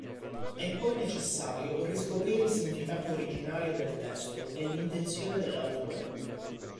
È poi necessario riscoprire il significato originario del testo, e l'intenzione dell'autore.